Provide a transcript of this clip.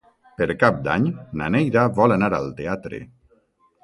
Per Cap d'Any na Neida vol anar al teatre.